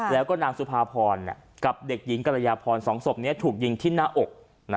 แล้วก็นางสุภาพรกับเด็กหญิงกรยาพร๒ศพนี้ถูกยิงที่หน้าอก